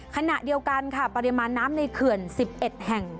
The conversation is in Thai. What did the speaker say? ขณะเดียวกันค่ะปริมาณน้ำในเขื่อน๑๑แห่ง